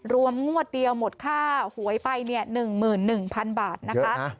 งวดเดียวหมดค่าหวยไป๑๑๐๐๐บาทนะคะ